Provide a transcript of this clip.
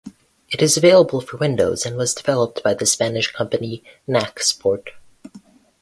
It is available for Windows and was developed by the Spanish company Nacsport.